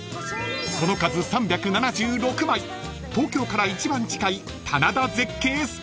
［その数３７６枚東京から一番近い棚田絶景スポット］